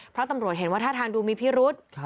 เพราะตำรวจเห็นว่าท่าทางดูมีพิรุษ